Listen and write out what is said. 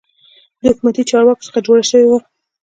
د حکومتي چارواکو څخه جوړه شوې وه.